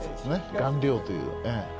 顔料という。